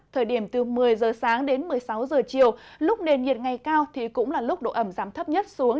thời điểm từ một mươi giờ sáng đến một mươi sáu giờ chiều lúc nền nhiệt ngày cao thì cũng là lúc độ ẩm giảm thấp nhất xuống